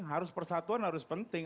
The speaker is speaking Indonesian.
harus persatuan harus penting